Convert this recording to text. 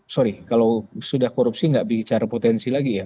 sorry kalau sudah korupsi nggak bicara potensi lagi ya